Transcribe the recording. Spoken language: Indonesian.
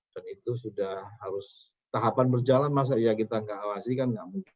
dan itu sudah harus tahapan berjalan masa yang kita khawatirkan